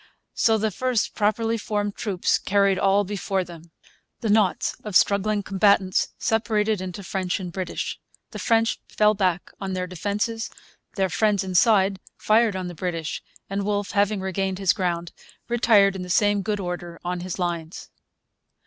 So the first properly formed troops carried all before them. The knots of struggling combatants separated into French and British. The French fell back on their defences. Their friends inside fired on the British; and Wolfe, having regained his ground, retired in the same good order on his lines.